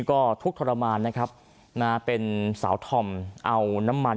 ก็ทุกข์ทรมานนะครับนะเป็นสาวธอมเอาน้ำมัน